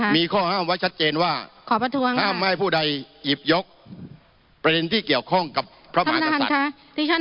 มีข้อห้ามไว้ชัดเจนว่าขอประท้วงห้ามไม่ให้ผู้ใดหยิบยกประเด็นที่เกี่ยวข้องกับพระมหากษัตริย์